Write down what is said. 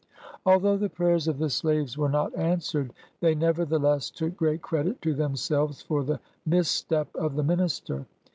Although the prayers of the slaves 24 BIOGRAPHY OF were not answered, they nevertheless took great credit to themselves for the misstep of the minister.